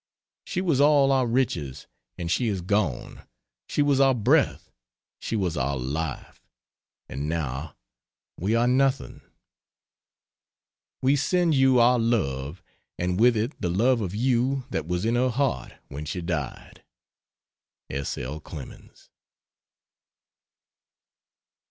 She was all our riches and she is gone: she was our breath, she was our life and now we are nothing. We send you our love and with it the love of you that was in her heart when she died. S. L. CLEMENS.